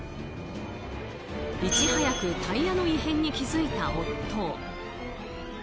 いち早くタイヤの異変に気付いた夫。